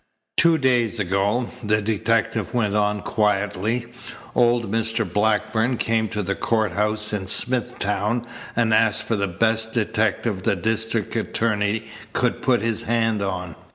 "Two days ago," the detective went on quietly, "old Mr. Blackburn came to the court house in Smithtown and asked for the best detective the district attorney could put his hand on.